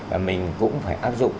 và mình cũng phải áp dụng